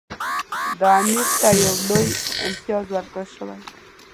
دا امیر ته یو لوی امتیاز ورکړل شوی دی.